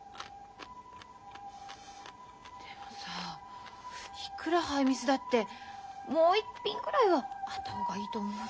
でもさいくらハイミスだってもう一品ぐらいはあった方がいいと思うな。